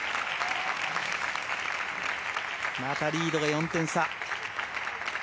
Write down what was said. またリードが４点差。